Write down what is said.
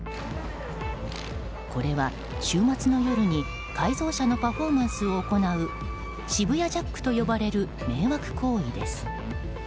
これは週末の夜に改造車のパフォーマンスを行う渋谷ジャックと呼ばれる迷惑行為です。